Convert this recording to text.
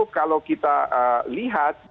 kalau kita lihat